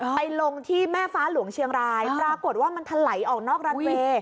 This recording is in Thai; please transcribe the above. ลงที่แม่ฟ้าหลวงเชียงรายปรากฏว่ามันถลายออกนอกรันเวย์